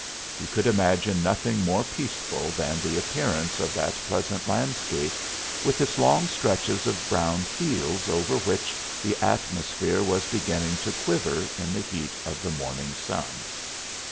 He could imagine nothing more peaceful than the appearance of that pleasant landscape with its long stretches of brown fields over which the atmosphere was beginning to quiver in the heat of the morning sun.